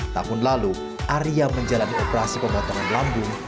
tahun lalu arya menjalani operasi pemotongan lambung